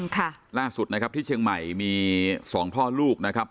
ค่ะล่าสุดนะครับที่เชียงใหม่มีสองพ่อลูกนะครับ